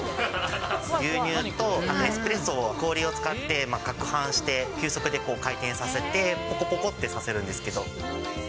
牛乳とエスプレッソを氷を使ってかくはんして急速で回転させて、ぽこぽこってさせるんですけど。